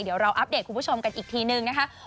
เดี๋ยวเราอัปเดตคุณผู้ชมกันอีกทีนึงนะคะ